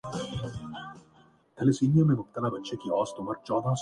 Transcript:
آیوشمان نے فلموں